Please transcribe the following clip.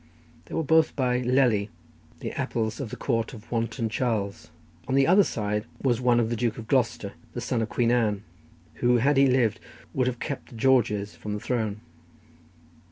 They were both by Lely, the Apelles of the Court of wanton Charles. On the other side was one of the Duke of Gloucester, the son of Queen Anne, who, had he lived, would have kept the Georges from the throne.